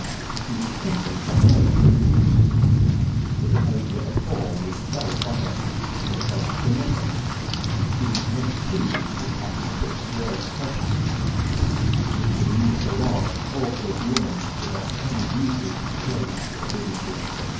She was accompanied by most of the chiefs. The behaviour of all was very proper: they begged for nothing, and seemed much pleased with Captain Fitz Roy's presents. The queen is a large awkward woman, without any beauty, grace or dignity.